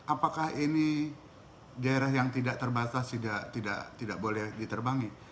apakah ini daerah yang tidak terbatas tidak boleh diterbangi